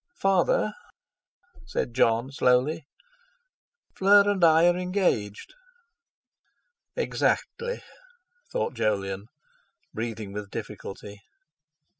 "Father," said Jon slowly, "Fleur and I are engaged." 'Exactly!' thought Jolyon, breathing with difficulty.